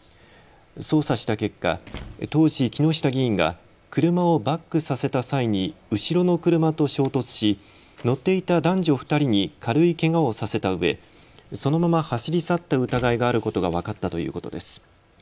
捜査した結果、当時、木下議員が車をバックさせた際に後ろの車と衝突し乗っていた男女２人に軽いけがをさせたうえそのまま走り去った疑いがあることが分かったということです。